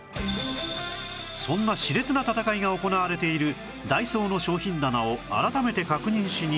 そんな熾烈な戦いが行われているダイソーの商品棚を改めて確認しに行くと